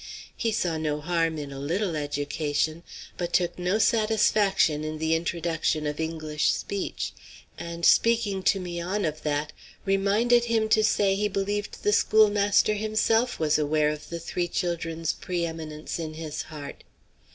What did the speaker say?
He saw no harm in a little education, but took no satisfaction in the introduction of English speech; and speaking to 'Mian of that reminded him to say he believed the schoolmaster himself was aware of the three children's pre eminence in his heart.